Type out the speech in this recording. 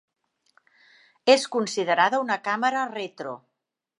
És considerada una càmera retro.